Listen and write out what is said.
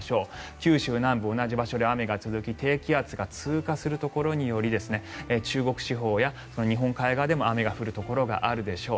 九州南部、同じ場所で雨が続き低気圧が通過するところにより中国地方や日本海側でも雨が降るところがあるでしょう。